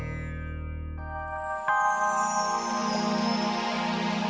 emanya udah pulang kok